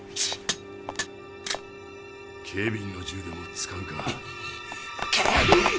警備員の銃でも使うか。